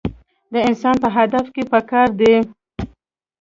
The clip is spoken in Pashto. د انسان پۀ هدف پکار دے -